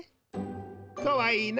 かわいいな。